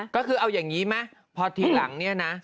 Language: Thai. ก็คือเอาอย่างนี้ไหมพอทีหลังเนี่ยนะ